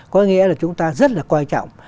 có nghĩa là chúng ta rất là quan trọng